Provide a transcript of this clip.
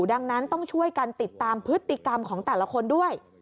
ดังนั้นต้องช่วยกันติดตามพฤติกรรมของแต่ละคนด้วย